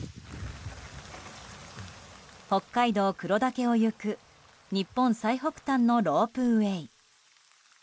北海道黒岳を行く日本最北端のロープウェー。